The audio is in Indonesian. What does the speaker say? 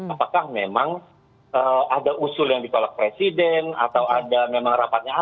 apakah memang ada usul yang ditolak presiden atau ada memang rapatnya apa